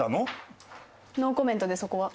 ノーコメントでそこは。